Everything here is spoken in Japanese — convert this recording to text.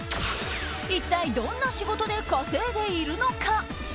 一体どんな仕事で稼いでいるのか。